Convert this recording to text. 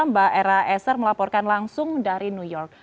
mbak era eser melaporkan langsung dari new york